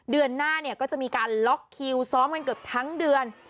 เดือนหน้าเนี่ยก็จะมีการล็อกคิวซ้อมกันเกือบทั้งเดือน